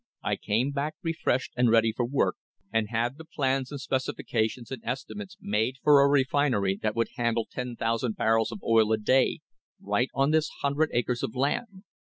I came back refreshed and ready for work, and had the j plans and specifications and estimates made for a refinery that would handle 10,000 I barrels of oil a day, right on this hundred acres of land.